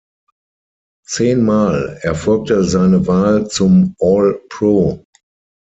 Zehnmal erfolgte seine Wahl zum All Pro.